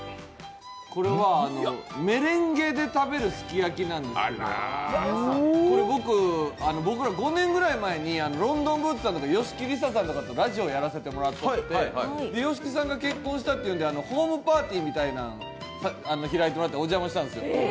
これはメレンゲで食べるすき焼きなんですけど、僕ら５年ぐらい前にロンドンブーツさんとか吉木りささんとかとラジオをやらせてもらってて、吉木さんが結婚されたんでホームパーティーみたいなのを開いてもらって、お邪魔したんですよ。